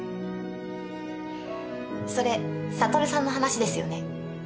それ悟さんの話ですよね？